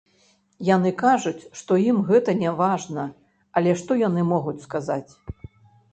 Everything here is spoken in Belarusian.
Яны кажуць, што ім гэта не важна, але што яны могуць сказаць?!